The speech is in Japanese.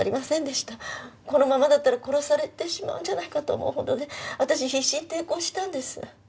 このままだったら殺されてしまうんじゃないかと思うほどで私必死に抵抗したんです。